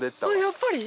やっぱり？